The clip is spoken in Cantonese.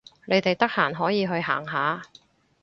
你哋得閒可以去行下